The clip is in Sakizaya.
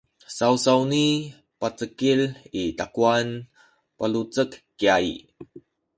sawsawni pacekil i takuwan palucek kya i